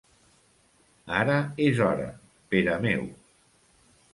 Ara és hora, Pere meu!